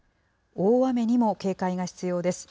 大雨にも警戒が必要です。